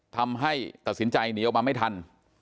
ทำให้ตัดสินใจหนีออกมาไม่ทัน